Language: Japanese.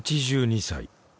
８２歳。